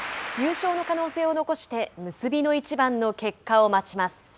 優勝の可能性を残して結びの一番の結果を待ちます。